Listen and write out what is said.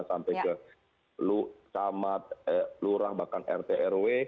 dari kota sampai ke samad lurah bahkan rt rw